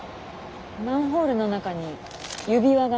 マンホールの中に指輪が。